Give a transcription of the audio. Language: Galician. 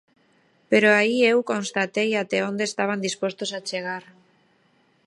Pero aí eu constatei até onde estaban dispostos a chegar.